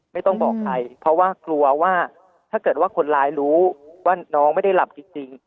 ไม่ต้องบอกใครเพราะว่ากลัวว่าถ้าเกิดว่าคนร้ายรู้ว่าน้องไม่ได้หลับจริง